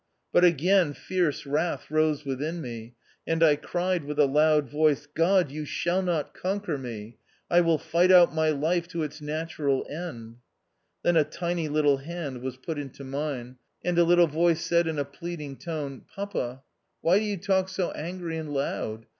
But a^ain fierce wrath rose within me ; and I cried with a loud voice, "God, you shall not conquer me ; I will fight out my life to its natural end." Then a tiny little hand was put into mine, 2i 4 THE OUTCAST. and a little voice said in a pleading tone, " Papa, why do you talk so angry and loud